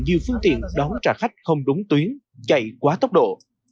nhiều phương tiện đón trả khách không đúng tuyến chạy quá tốc độ